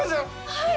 はい！